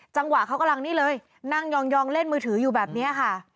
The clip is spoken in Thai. จังหวะเขากำลังนี่เลยนั่งยองเล่นมือถืออยู่แบบนี้ค่ะ